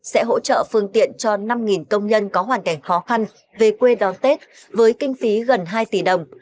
sẽ hỗ trợ phương tiện cho năm công nhân có hoàn cảnh khó khăn về quê đón tết với kinh phí gần hai tỷ đồng